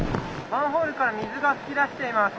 マンホールから水が噴き出しています。